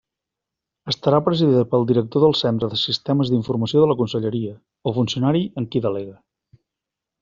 Estarà presidida pel director del Centre de Sistemes d'Informació de la conselleria, o funcionari en qui delegue.